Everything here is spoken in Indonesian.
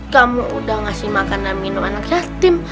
kamu udah ngasih makan dan minum anak yatim